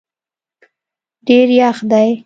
ډېر یخ دی